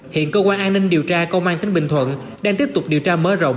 hiện cơ quan an ninh điều tra công an tỉnh bình thuận đang tiếp tục điều tra mở rộng